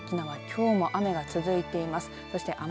きょうも雨が続いています。